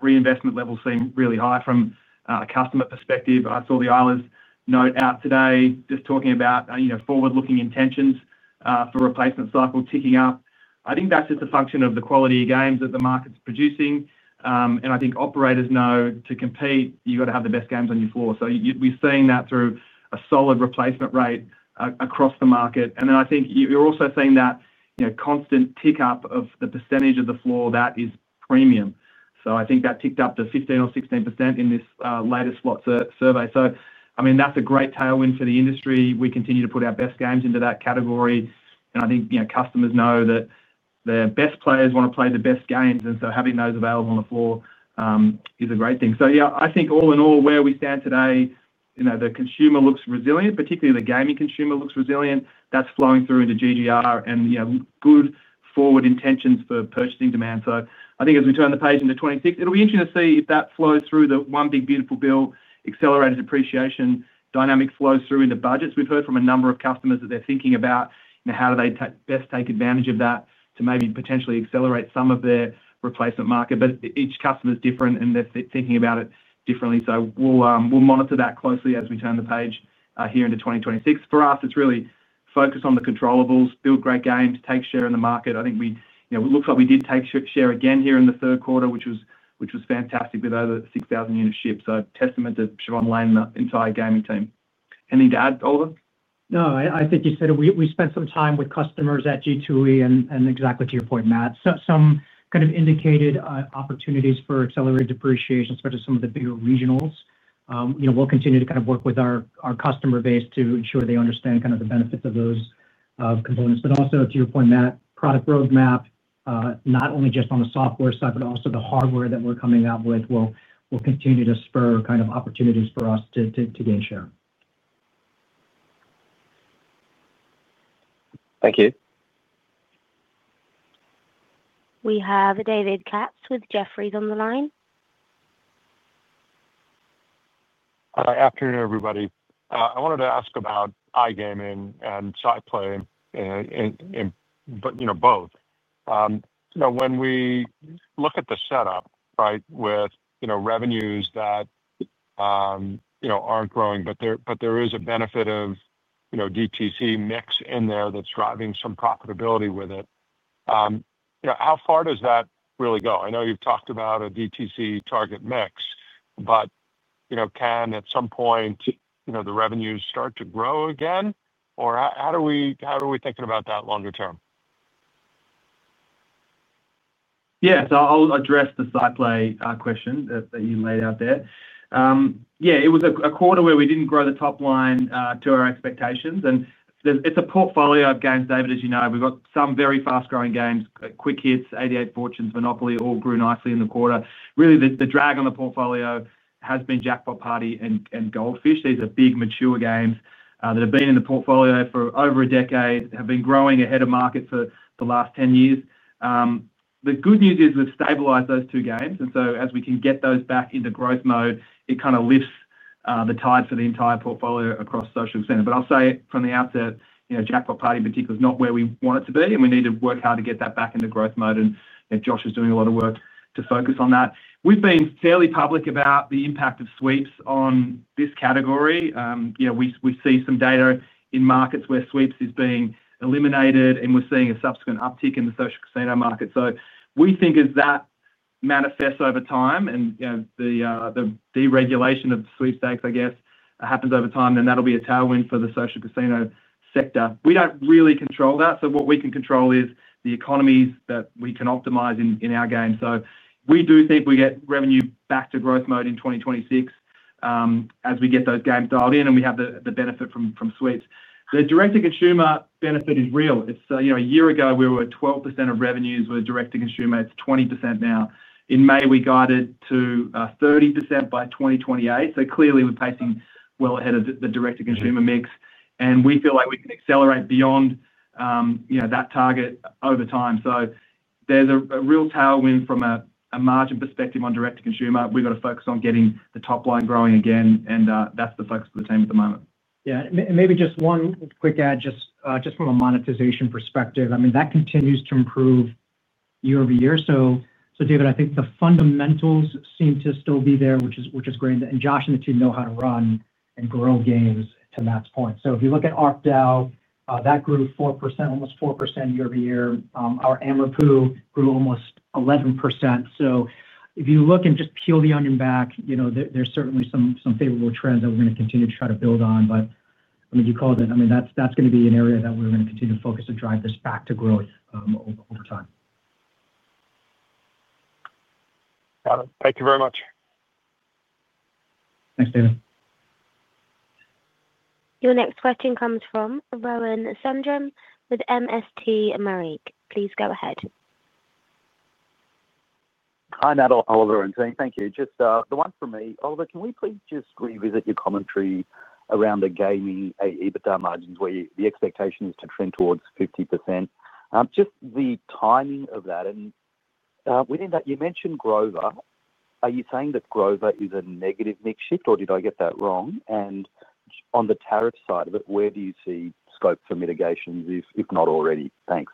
reinvestment levels seem really high from a customer perspective. I saw the Islands note out today just talking about forward-looking intentions for replacement cycle ticking up. I think that's just a function of the quality of games that the market's producing. I think operators know to compete, you've got to have the best games on your floor. We're seeing that through a solid replacement rate across the market. I think you're also seeing that constant tick up of the percentage of the floor that is premium. I think that ticked up to 15% or 16% in this latest slot survey. I mean, that's a great tailwind for the industry. We continue to put our best games into that category. I think customers know that their best players want to play the best games. Having those available on the floor is a great thing. Yeah, I think all in all, where we stand today, the consumer looks resilient, particularly the gaming consumer looks resilient. That's flowing through into GGR and good forward intentions for purchasing demand. I think as we turn the page into 2026, it'll be interesting to see if that flows through the one big beautiful bill, accelerated depreciation, dynamic flows through into budgets. We've heard from a number of customers that they're thinking about how do they best take advantage of that to maybe potentially accelerate some of their replacement market. Each customer is different, and they're thinking about it differently. We'll monitor that closely as we turn the page here into 2026. For us, it's really focus on the controllables, build great games, take share in the market. I think it looks like we did take share again here in the third quarter, which was fantastic with over 6,000 units shipped. Testament to Siobhan Lane and the entire gaming team. Anything to add, Oliver? No, I think you said it. We spent some time with customers at G2E, and exactly to your point, Matt, some kind of indicated opportunities for accelerated depreciation especially some of the bigger regionals. We'll continue to kind of work with our customer base to ensure they understand kind of the benefits of those components. Also, to your point, Matt, product roadmap, not only just on the software side, but also the hardware that we're coming out with will continue to spur kind of opportunities for us to gain share. Thank you. We have David Katz with Jefferies on the line. Afternoon, everybody. I wanted to ask about iGaming and SciPlay. Both. When we look at the setup, right, with revenues that aren't growing, but there is a benefit of DTC mix in there that's driving some profitability with it. How far does that really go? I know you've talked about a DTC target mix, but can at some point the revenues start to grow again? Or how are we thinking about that longer term? Yeah. So I'll address the SciPlay question that you laid out there. Yeah. It was a quarter where we didn't grow the top line to our expectations. And it's a portfolio of games, David, as you know. We've got some very fast-growing games, Quick Hit Slots, 88 Fortunes, Monopoly, all grew nicely in the quarter. Really, the drag on the portfolio has been Jackpot Party and Goldfish. These are big mature games that have been in the portfolio for over a decade, have been growing ahead of market for the last 10 years. The good news is we've stabilized those two games. As we can get those back into growth mode, it kind of lifts the tide for the entire portfolio across social extension. I'll say from the outset, Jackpot Party, in particular, is not where we want it to be, and we need to work hard to get that back into growth mode. Josh is doing a lot of work to focus on that. We've been fairly public about the impact of Sweeps on this category. We see some data in markets where Sweeps is being eliminated, and we're seeing a subsequent uptick in the social casino market. We think as that manifests over time and the deregulation of Sweepstakes, I guess, happens over time, that'll be a tailwind for the social casino sector. We don't really control that. What we can control is the economies that we can optimize in our game. We do think we get revenue back to growth mode in 2026. As we get those games dialed in and we have the benefit from Sweeps. The direct-to-consumer benefit is real. A year ago, we were at 12% of revenues with direct-to-consumer. It's 20% now. In May, we guided to 30% by 2028. Clearly, we're pacing well ahead of the direct-to-consumer mix. We feel like we can accelerate beyond that target over time. There's a real tailwind from a margin perspective on direct-to-consumer. We've got to focus on getting the top line growing again. That's the focus of the team at the moment. Yeah. Maybe just one quick add, just from a monetization perspective. I mean, that continues to improve year over year. David, I think the fundamentals seem to still be there, which is great. Josh and the team know how to run and grow games to Matt's point. If you look at ArcDAO, that grew almost 4% year over year. Our Amber Poo grew almost 11%. If you look and just peel the onion back, there are certainly some favorable trends that we are going to continue to try to build on. I mean, you called it. That is going to be an area that we are going to continue to focus to drive this back to growth over time. Got it. Thank you very much. Thanks, David. Your next question comes from Rohan Sundram with MST Marquee. Please go ahead. Hi, Matt, Oliver and Zane. Thank you. Just the one for me. Oliver, can we please just revisit your commentary around the gaming EBITDA margins where the expectation is to trend towards 50%? Just the timing of that. Within that, you mentioned Grover. Are you saying that Grover is a negative mix shift, or did I get that wrong? On the tariff side of it, where do you see scope for mitigation, if not already? Thanks.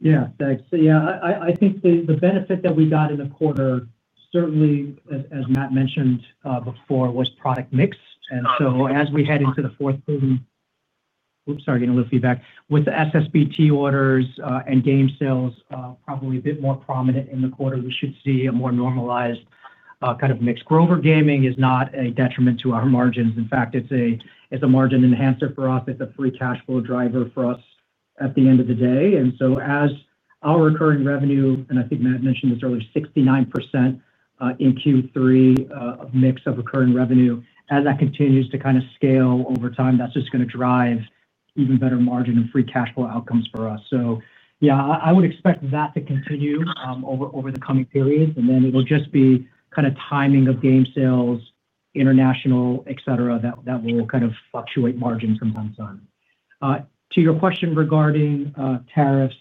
Yeah. Thanks. Yeah, I think the benefit that we got in the quarter, certainly, as Matt mentioned before, was product mix. As we head into the fourth quarter, sorry, getting a little feedback, with the SSBT orders and game sales probably a bit more prominent in the quarter, we should see a more normalized kind of mix. Grover Gaming is not a detriment to our margins. In fact, it is a margin enhancer for us. It is a free cash flow driver for us at the end of the day. As our recurring revenue, and I think Matt mentioned this earlier, 69%. In Q3 of mix of recurring revenue, as that continues to kind of scale over time, that's just going to drive even better margin and free cash flow outcomes for us. Yeah, I would expect that to continue over the coming period. It will just be kind of timing of game sales, international, etc., that will kind of fluctuate margins from time to time. To your question regarding tariffs,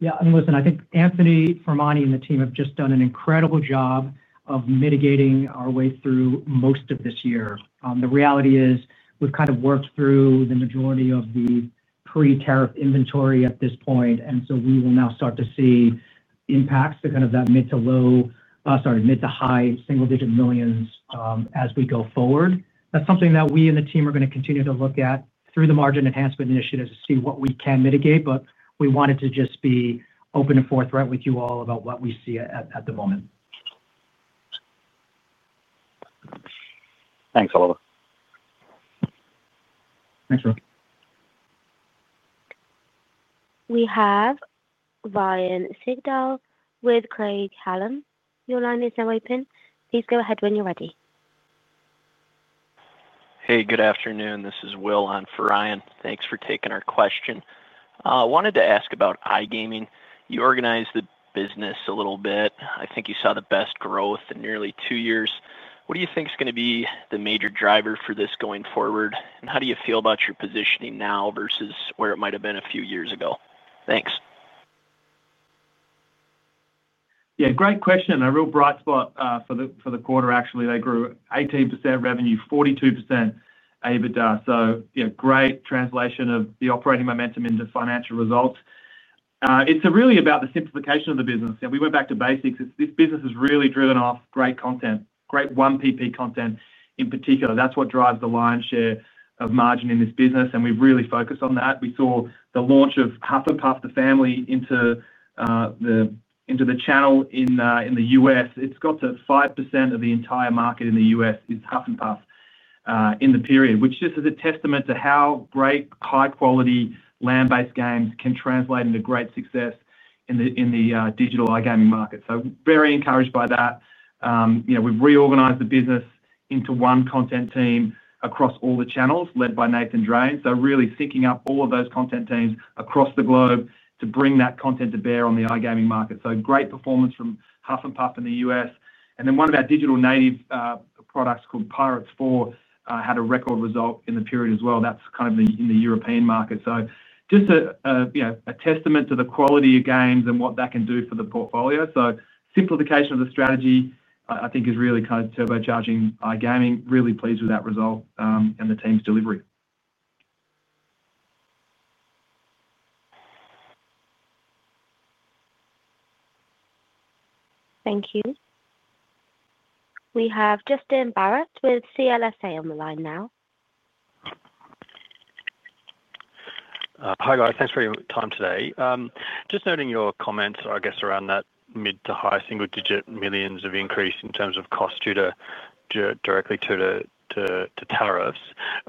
yeah, listen, I think Anthony Fermani and the team have just done an incredible job of mitigating our way through most of this year. The reality is we've kind of worked through the majority of the pre-tariff inventory at this point. We will now start to see impacts to kind of that mid to low—sorry, mid to high single-digit millions as we go forward. That's something that we and the team are going to continue to look at through the margin enhancement initiatives to see what we can mitigate. We wanted to just be open and forthright with you all about what we see at the moment. Thanks, Oliver. Thanks, Rob. We have Ryan Siegdahl with Craig Hallum. Your line is now open. Please go ahead when you're ready. Hey, good afternoon. This is Will on for Ryan. Thanks for taking our question. I wanted to ask about iGaming. You organized the business a little bit. I think you saw the best growth in nearly two years. What do you think is going to be the major driver for this going forward? How do you feel about your positioning now versus where it might have been a few years ago? Thanks. Yeah, great question. A real bright spot for the quarter, actually. They grew 18% revenue, 42% EBITDA. Great translation of the operating momentum into financial results. It is really about the simplification of the business. We went back to basics. This business is really driven off great content, great 1PP content in particular. That is what drives the lion's share of margin in this business. We have really focused on that. We saw the launch of Huff and Puff, the family, into the channel in the U.S. It has got to 5% of the entire market in the U.S. is Huff and Puff in the period, which just is a testament to how great, high-quality land-based games can translate into great success in the digital iGaming market. Very encouraged by that. We have reorganized the business into one content team across all the channels led by Nathan Drane. Really syncing up all of those content teams across the globe to bring that content to bear on the iGaming market. Great performance from Huff and Puff in the U.S. And then one of our digital native products called Pirates 4 had a record result in the period as well. That is kind of in the European market. Just a testament to the quality of games and what that can do for the portfolio. Simplification of the strategy, I think, is really kind of turbocharging iGaming. Really pleased with that result and the team's delivery. Thank you. We have Justin Barratt with CLSA on the line now. Hi, guys. Thanks for your time today. Just noting your comments, I guess, around that mid to high single-digit millions of increase in terms of cost due to, directly to, tariffs.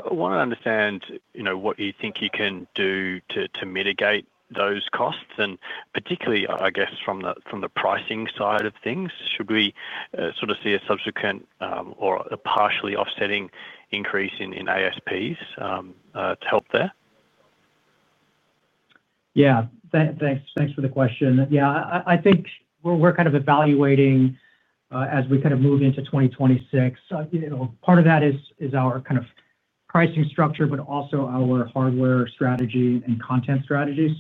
I want to understand what you think you can do to mitigate those costs, and particularly, I guess, from the pricing side of things. Should we sort of see a subsequent or a partially offsetting increase in ASPs to help there? Yeah. Thanks for the question. Yeah. I think we're kind of evaluating as we kind of move into 2026. Part of that is our kind of pricing structure, but also our hardware strategy and content strategy.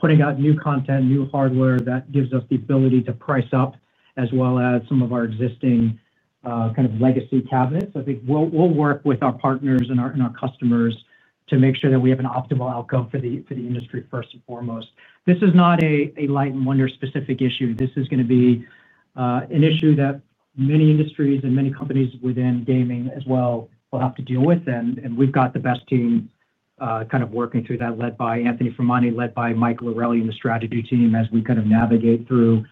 Putting out new content, new hardware that gives us the ability to price up as well as some of our existing kind of legacy cabinets. I think we'll work with our partners and our customers to make sure that we have an optimal outcome for the industry first and foremost. This is not a Light & Wonder specific issue. This is going to be. An issue that many industries and many companies within gaming as well will have to deal with. We have the best team kind of working through that, led by Anthony Fermani, led by Mike Lorelli in the strategy team as we kind of navigate through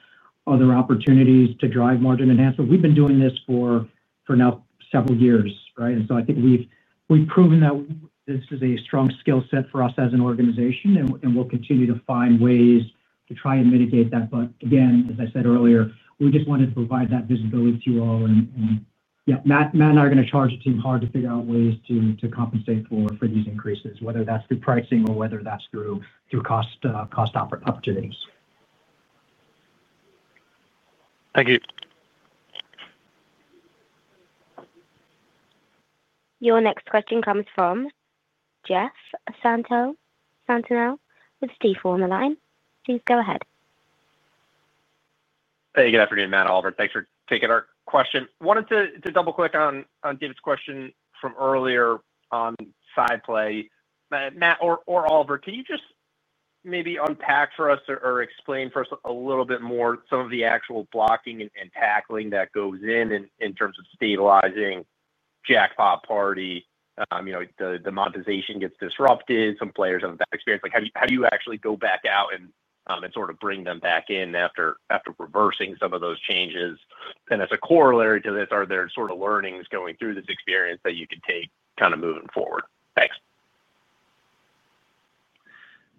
other opportunities to drive margin enhancement. We have been doing this for now several years, right? I think we have proven that this is a strong skill set for us as an organization, and we will continue to find ways to try and mitigate that. As I said earlier, we just wanted to provide that visibility to you all. Matt and I are going to charge the team hard to figure out ways to compensate for these increases, whether that is through pricing or whether that is through cost opportunities. Thank you. Your next question comes from Jeff Stantial with Steve on the line. Please go ahead. Hey, good afternoon, Matt, Oliver. Thanks for taking our question. Wanted to double-click on David's question from earlier on SciPlay. Matt or Oliver, can you just maybe unpack for us or explain for us a little bit more some of the actual blocking and tackling that goes in in terms of stabilizing Jackpot Party? The monetization gets disrupted. Some players have a bad experience. How do you actually go back out and sort of bring them back in after reversing some of those changes? And as a corollary to this, are there sort of learnings going through this experience that you could take kind of moving forward? Thanks.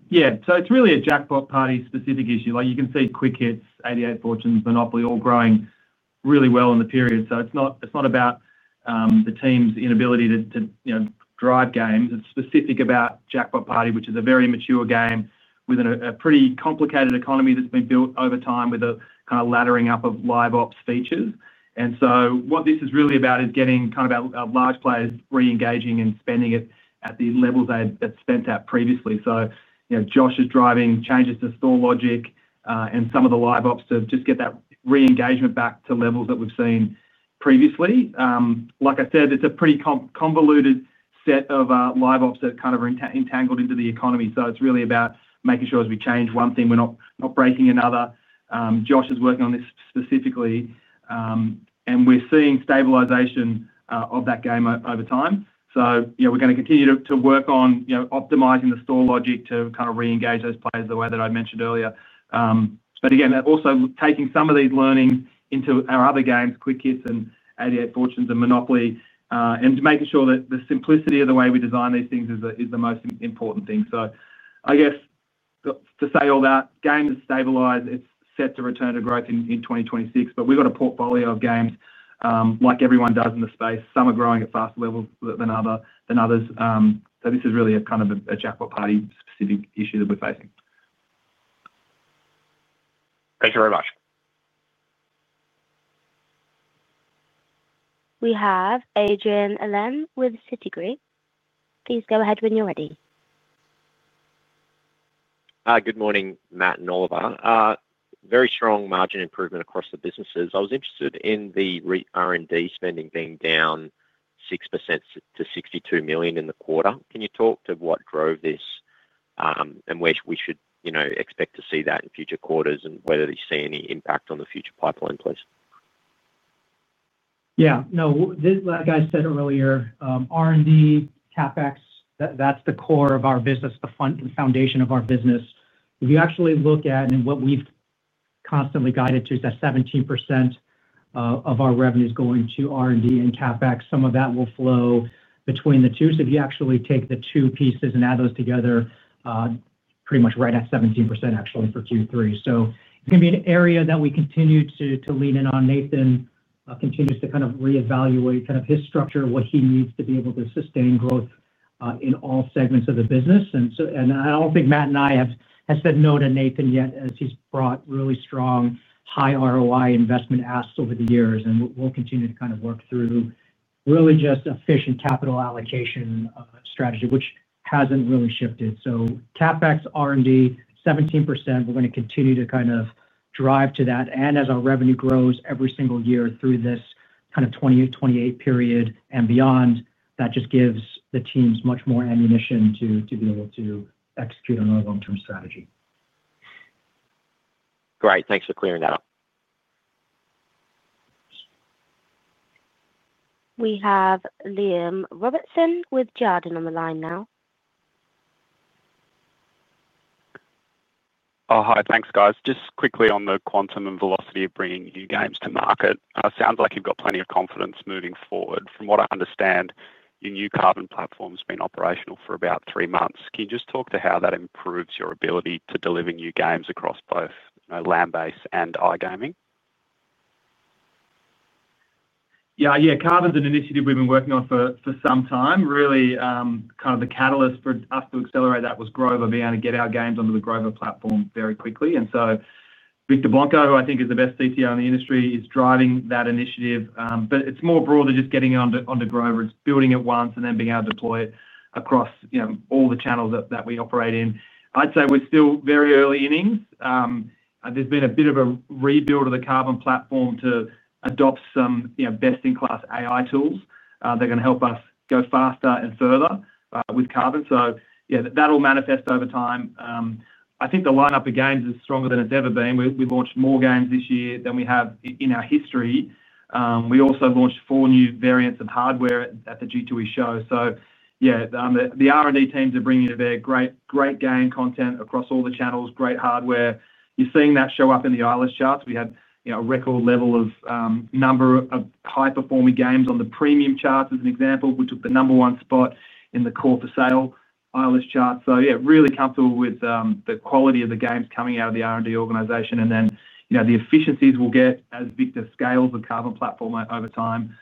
Yeah. So it's really a Jackpot Party specific issue. You can see Quick Hit Slots, 88 Fortunes, Monopoly all growing really well in the period. So it's not about. The team's inability to drive games. It's specific about Jackpot Party, which is a very mature game with a pretty complicated economy that's been built over time with a kind of laddering up of live ops features. What this is really about is getting kind of our large players re-engaging and spending at the levels they had spent at previously. Josh is driving changes to store logic and some of the live ops to just get that re-engagement back to levels that we've seen previously. Like I said, it's a pretty convoluted set of live ops that kind of are entangled into the economy. It's really about making sure as we change one thing, we're not breaking another. Josh is working on this specifically. We're seeing stabilization of that game over time. We're going to continue to work on optimizing the store logic to kind of re-engage those players the way that I mentioned earlier. Again, also taking some of these learnings into our other games, Quick Hit Slots, 88 Fortunes, and Monopoly, and making sure that the simplicity of the way we design these things is the most important thing. I guess to say all that, the game is stabilized. It's set to return to growth in 2026. We've got a portfolio of games like everyone does in the space. Some are growing at faster levels than others. This is really kind of a Jackpot Party specific issue that we're facing. Thank you very much. We have Adrian Lemme with Citigroup. Please go ahead when you're ready. Good morning, Matt and Oliver. Very strong margin improvement across the businesses. I was interested in the R&D spending being down. 6% to $62 million in the quarter. Can you talk to what drove this. And where we should expect to see that in future quarters and whether you see any impact on the future pipeline, please? Yeah. No, like I said earlier, R&D, CapEx, that's the core of our business, the foundation of our business. If you actually look at, and what we've constantly guided to, is that 17% of our revenue is going to R&D and CapEx. Some of that will flow between the two. So if you actually take the two pieces and add those together, pretty much right at 17% actually for Q3. So it's going to be an area that we continue to lean in on. Nathan continues to kind of re-evaluate kind of his structure, what he needs to be able to sustain growth in all segments of the business. I do not think Matt and I have said no to Nathan yet as he has brought really strong high ROI investment asks over the years. We will continue to kind of work through. Really just efficient capital allocation strategy, which has not really shifted. CapEx, R&D, 17%, we are going to continue to kind of drive to that. As our revenue grows every single year through this kind of 2028 period and beyond, that just gives the teams much more ammunition to be able to execute on our long-term strategy. Great. Thanks for clearing that up. We have Liam Robertson with Jarden on the line now. Hi, thanks, guys. Just quickly on the quantum and velocity of bringing new games to market. Sounds like you've got plenty of confidence moving forward. From what I understand, your new Carbon platform has been operational for about three months. Can you just talk to how that improves your ability to deliver new games across both LAN-based and iGaming? Yeah. Carbon's an initiative we've been working on for some time. Really, kind of the catalyst for us to accelerate that was Grover, being able to get our games onto the Grover platform very quickly. Victor Blanco, who I think is the best CTO in the industry, is driving that initiative. It's more broad than just getting it onto Grover. It's building it once and then being able to deploy it across all the channels that we operate in. I'd say we're still very early innings. There's been a bit of a rebuild of the Carbon platform to adopt some best-in-class AI tools that are going to help us go faster and further with Carbon. Yeah, that will manifest over time. I think the lineup of games is stronger than it's ever been. We launched more games this year than we have in our history. We also launched four new variants of hardware at the G2E show. Yeah, the R&D teams are bringing in great game content across all the channels, great hardware. You're seeing that show up in the Eilers charts. We had a record level of number of high-performing games on the premium charts, as an example. We took the number one spot in the core for sale Eilers chart. Yeah, really comfortable with the quality of the games coming out of the R&D organization. The efficiencies we will get as Victor scales the Carbon platform over time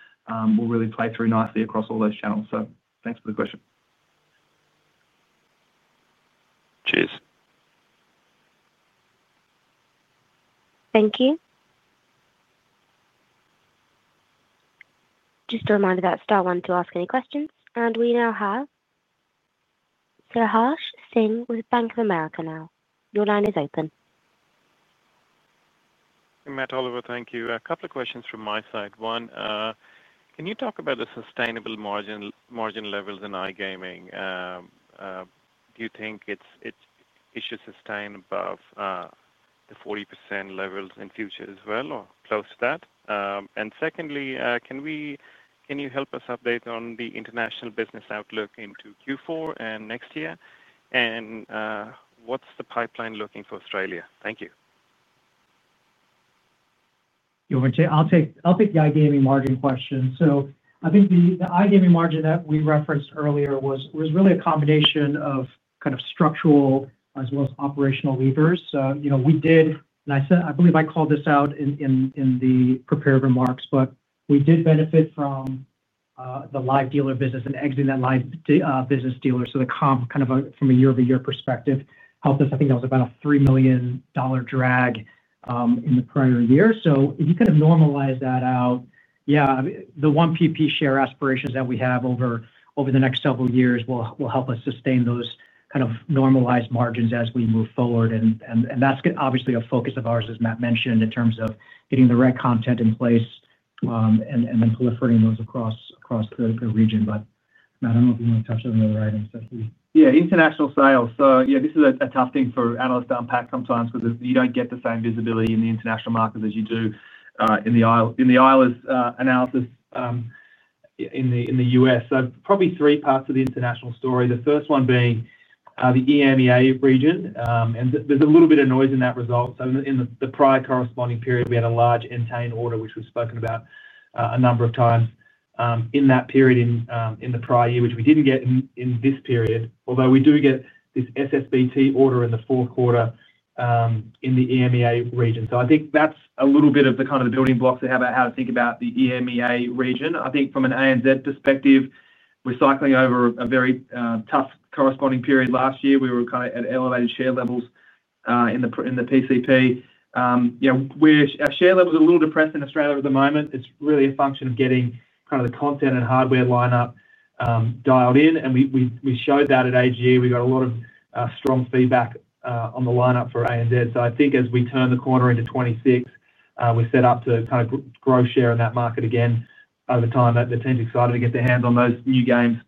will really play through nicely across all those channels. Thank you for the question. Cheers. Thank you. Just a reminder that Star wanted to ask any questions. We now have Harsh Singh with Bank of America. Your line is open. Matt, Oliver, thank you. A couple of questions from my side. One, can you talk about the sustainable margin levels in iGaming? Do you think it should sustain above the 40% levels in future as well or close to that? Secondly, can you help us update on the international business outlook into Q4 and next year? What is the pipeline looking for Australia? Thank you. I will take the iGaming margin question. I think the iGaming margin that we referenced earlier was really a combination of kind of structural as well as operational levers. We did, and I believe I called this out in the prepared remarks, but we did benefit from the live dealer business and exiting that live dealer business. The comp kind of from a year-over-year perspective helped us. I think that was about a $3 million drag in the prior year. If you kind of normalize that out, yeah, the one percentage point share aspirations that we have over the next several years will help us sustain those kind of normalized margins as we move forward. That is obviously a focus of ours, as Matt mentioned, in terms of getting the right content in place and then proliferating those across the region. Matt, I do not know if you want to touch on the other items. Yeah, international sales. So yeah, this is a tough thing for analysts to unpack sometimes because you do not get the same visibility in the international market as you do in the Eilers analysis in the U.S. So probably three parts of the international story. The first one being the EMEA region. And there is a little bit of noise in that result. So in the prior corresponding period, we had a large Entain order, which we have spoken about a number of times in that period in the prior year, which we did not get in this period, although we do get this SSBT order in the fourth quarter in the EMEA region. So I think that is a little bit of the kind of the building blocks to how to think about the EMEA region. I think from an ANZ perspective, recycling over a very tough corresponding period last year, we were kind of at elevated share levels in the PCP. Yeah, our share levels are a little depressed in Australia at the moment. It's really a function of getting kind of the content and hardware lineup dialed in. We showed that at AG. We got a lot of strong feedback on the lineup for ANZ. I think as we turn the corner into 2026, we're set up to kind of grow share in that market again over time. The team's excited to get their hands on those new games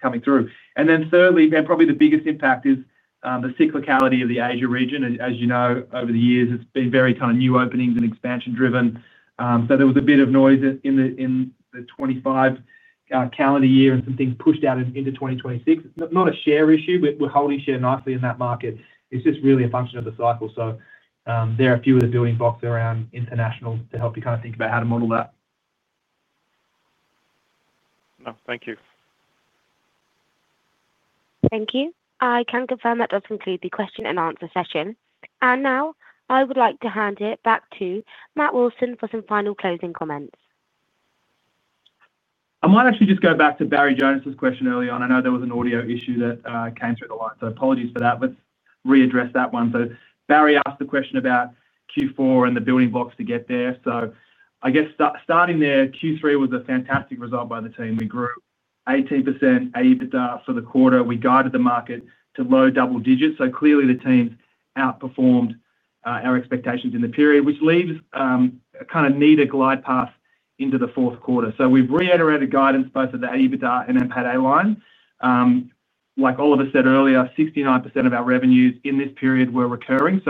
coming through. Thirdly, probably the biggest impact is the cyclicality of the Asia region. As you know, over the years, it's been very kind of new openings and expansion-driven. There was a bit of noise in 2025. Calendar year and some things pushed out into 2026. Not a share issue. We're holding share nicely in that market. It's just really a function of the cycle. There are a few of the building blocks around international to help you kind of think about how to model that. Thank you. Thank you. I can confirm that does conclude the question and answer session. I would like to hand it back to Matt Wilson for some final closing comments. I might actually just go back to Barry Jonas's question early on. I know there was an audio issue that came through the line. Apologies for that. Let's readdress that one. Barry asked the question about Q4 and the building blocks to get there. I guess starting there, Q3 was a fantastic result by the team. We grew 18%, 80% for the quarter. We guided the market to low double digits. Clearly, the teams outperformed our expectations in the period, which leaves a kind of neater glide path into the fourth quarter. We have reiterated guidance both for the 80% and then pad a line. Like Oliver said earlier, 69% of our revenues in this period were recurring.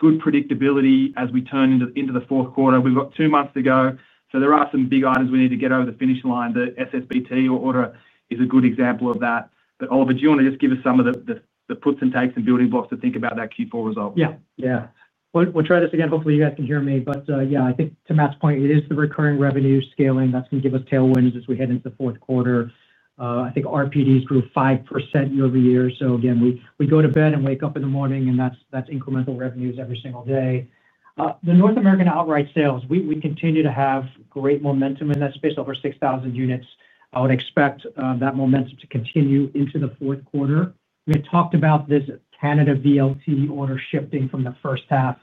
Good predictability as we turn into the fourth quarter. We have two months to go. There are some big items we need to get over the finish line. The SSBT order is a good example of that. Oliver, do you want to just give us some of the puts and takes and building blocks to think about that Q4 result? Yeah. Yeah. We'll try this again. Hopefully, you guys can hear me. Yeah, I think to Matt's point, it is the recurring revenue scaling that's going to give us tailwinds as we head into the fourth quarter. I think RPDs grew 5% year over year. Again, we go to bed and wake up in the morning, and that's incremental revenues every single day. The North American outright sales, we continue to have great momentum in that space, over 6,000 units. I would expect that momentum to continue into the fourth quarter. We had talked about this Canada VLT order shifting from the first half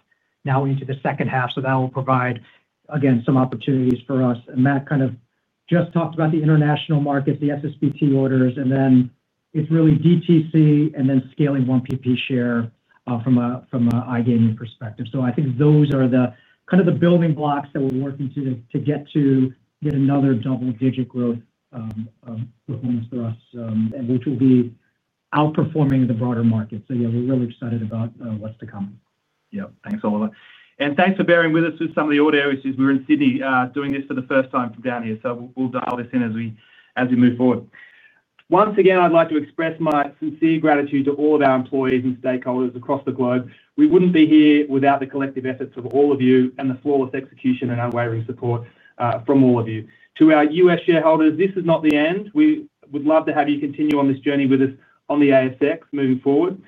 now into the second half. That will provide, again, some opportunities for us. Matt kind of just talked about the international markets, the SSBT orders, and then it's really DTC and then scaling one PP share from an iGaming perspective. I think those are kind of the building blocks that we're working to get to get another double-digit growth. Performance for us, which will be outperforming the broader market. Yeah, we're really excited about what's to come. Yeah. Thanks, Oliver. And thanks for bearing with us through some of the audio issues. We're in Sydney doing this for the first time from down here. We'll dial this in as we move forward. Once again, I'd like to express my sincere gratitude to all of our employees and stakeholders across the globe. We wouldn't be here without the collective efforts of all of you and the flawless execution and unwavering support from all of you. To our US shareholders, this is not the end. We would love to have you continue on this journey with us on the ASX moving forward.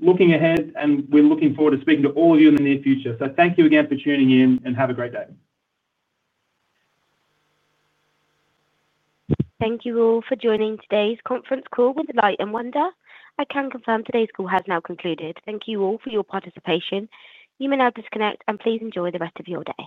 Looking ahead, we are looking forward to speaking to all of you in the near future. Thank you again for tuning in and have a great day. Thank you all for joining today's conference call with Light & Wonder. I can confirm today's call has now concluded. Thank you all for your participation. You may now disconnect and please enjoy the rest of your day.